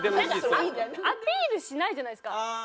アピールしないじゃないですか。